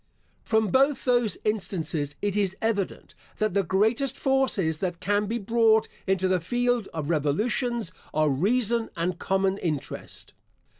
From both those instances it is evident, that the greatest forces that can be brought into the field of revolutions, are reason and common interest.